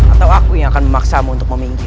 atau aku yang akan memaksamu untuk meminta